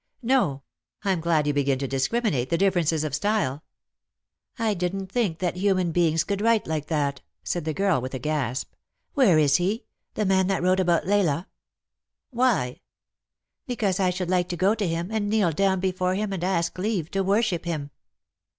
" No. I'm glad you begin to discriminate the differences of utyle." 80 jjost jor ljove. " I didn't think that human beings could write like that,* said the girl with a gasp. " Where is he — the man that wrote about Leila ?" "Why?" " Because I should like to go to him, and kneel down before him, and ask leave to worship him."